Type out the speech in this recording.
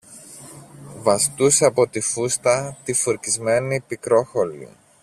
βαστούσε από τη φούστα τη φουρκισμένη Πικρόχολη.